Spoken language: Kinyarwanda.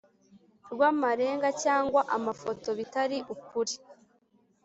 Rw amarenga cyangwa amafoto bitari ukuri